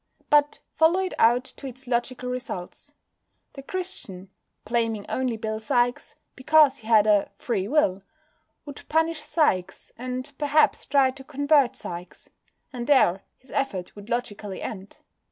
But follow it out to its logical results. The Christian, blaming only Bill Sikes, because he had a "free will," would punish Sikes, and perhaps try to convert Sikes; and there his effort would logically end.